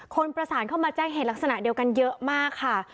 คนประสานเข้ามาแจ้งเหตุลักษณะเดียวกันเยอะมากค่ะ